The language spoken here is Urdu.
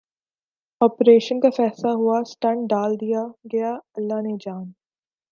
آپریشن کا فیصلہ ہوا سٹنٹ ڈال دیا گیا اللہ نے جان